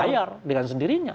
bayar dengan sendirinya